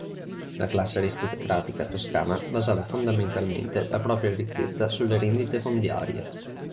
La classe aristocratica toscana basava fondamentalmente la propria ricchezza sulle rendite fondiarie.